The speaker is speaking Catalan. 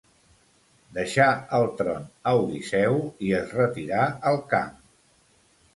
Deixà el tron a Odisseu i es retirà al camp.